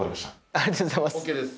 ありがとうございますＯＫです